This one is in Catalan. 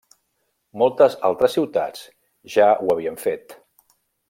Moltes altres ciutats ja ho havien fet.